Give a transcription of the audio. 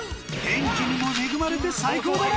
天気にも恵まれて最高だな！